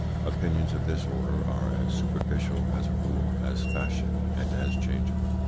Opinions of this order are as superficial, as a rule, as fashion, and as changeable.